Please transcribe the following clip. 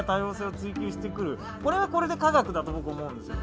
これはこれで科学だと僕思うんです。